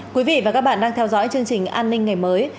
quý vị và các bạn đang theo dõi chương trình an ninh ngày mới